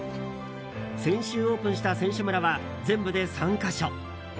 先週オープンした選手村は全部で３か所。